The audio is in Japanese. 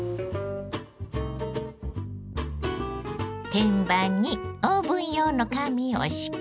天板にオーブン用の紙を敷き